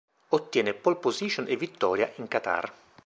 Ottiene pole position e vittoria in Qatar.